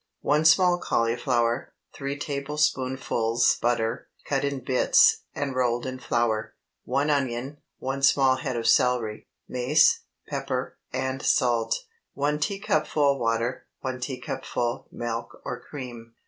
1 small cauliflower. 3 tablespoonfuls butter, cut in bits, and rolled in flour. 1 onion. 1 small head of celery. Mace, pepper, and salt. 1 teacupful water. 1 teacupful milk or cream.